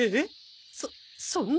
そそんな。